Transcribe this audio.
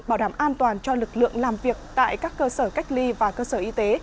bảo đảm an toàn cho lực lượng làm việc tại các cơ sở cách ly và cơ sở y tế